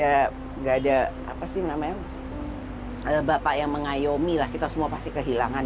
ya nggak ada apa sih namanya ada bapak yang mengayomi lah kita semua pasti kehilangan